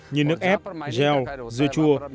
như nước ép gel dưa chua